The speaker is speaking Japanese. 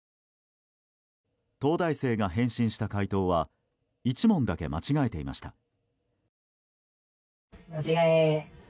東大生が返信した解答は１問だけ間違えていました。